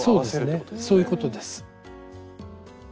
そういうことです。